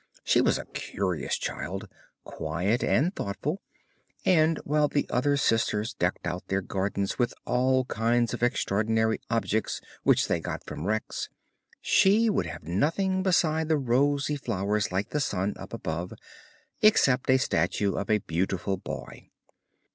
She was a curious child, quiet and thoughtful, and while the other sisters decked out their gardens with all kinds of extraordinary objects which they got from wrecks, she would have nothing besides the rosy flowers like the sun up above, except a statue of a beautiful boy.